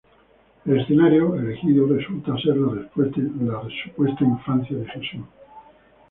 El escenario elegido resulta ser la supuesta infancia de Jesús.